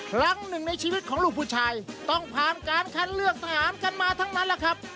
ครั้งหนึ่งในชีวิตของลูกผู้ชายต้องผ่านการคัดเลือกทหารกันมาทั้งนั้นแหละครับ